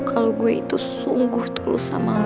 kalo gue itu sungguh tulus sama lo